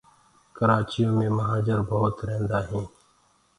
ڪرآچِيو مي مهآجر ڀوت ريهنٚدآ هينٚ